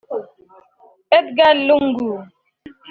Edgar Lungu